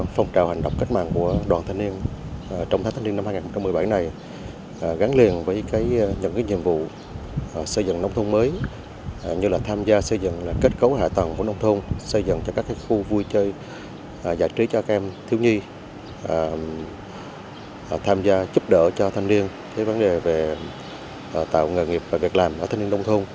phòng trào hành động cách mạng của đoàn thanh niên trong tháng thanh niên năm hai nghìn một mươi bảy này gắn liền với những nhiệm vụ xây dựng nông thông mới như là tham gia xây dựng kết cấu hạ tầng của nông thông xây dựng cho các khu vui chơi giải trí cho các em thiếu nhi tham gia giúp đỡ cho thanh niên về tạo nghề nghiệp và việc làm ở thanh niên nông thông